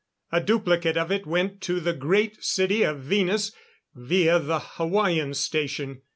A duplicate of it went to the Great City of Venus via the Hawaiian Station.